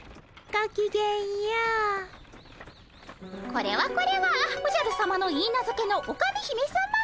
これはこれはおじゃるさまのいいなずけのオカメ姫さま。